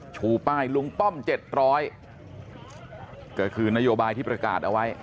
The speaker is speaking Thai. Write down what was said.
ชูป้ายลุงป้อม๗๐๐ก็คือนโยบายที่ประกาศเอาไว้